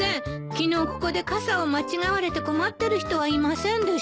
昨日ここで傘を間違われて困ってる人はいませんでしたか？